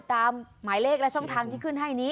หมายเลขและช่องทางที่ขึ้นให้นี้